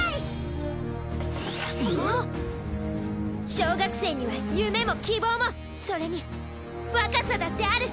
小学生には夢も希望もそれに若さだってある。